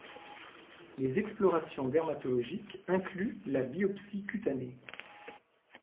Les explorations dermatologiques incluent la biopsie cutanée.